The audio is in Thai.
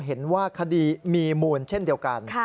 เห็นว่าคดีมีมูลเช่นเดียวกัน